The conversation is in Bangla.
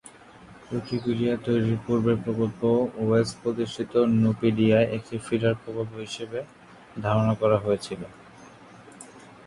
উইকিপিডিয়া তৈরির পূর্বের প্রকল্প ওয়েলস-প্রতিষ্ঠিত নুপিডিয়ায় একটি ফিডার প্রকল্প হিসাবে ধারণা করা হয়েছিল।